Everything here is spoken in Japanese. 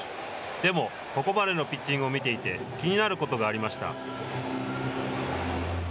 でも、ここまでのピッチングを見ていて気になることがありました。